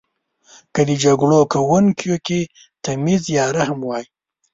که د جګړو کونکیو کې تمیز یا رحم وای.